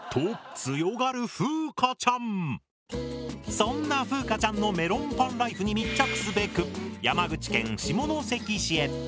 そんな風佳ちゃんのメロンパンライフに密着すべく山口県下関市へ。